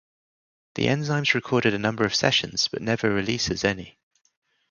The Enzymes recorded a number of sessions but never releases any.